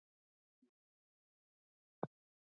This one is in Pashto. د اوبو سرچینې د افغانستان د ټولنې لپاره بنسټيز رول لري.